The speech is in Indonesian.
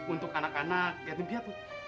untuk anak anak gatim piatu